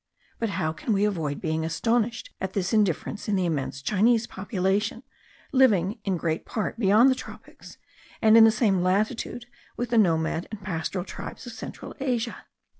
but how can we avoid being astonished at this indifference in the immense Chinese population, living in great part beyond the tropics, and in the same latitude with the nomad and pastoral tribes of central Asia?